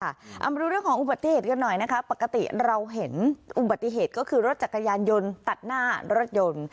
เอามาดูเรื่องของอุบัติเหตุกันหน่อยนะคะปกติเราเห็นอุบัติเหตุก็คือรถจักรยานยนต์ตัดหน้ารถยนต์